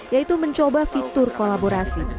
yaitu mencoba fitur kolaborasi